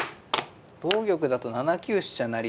同玉だと７九飛車成と。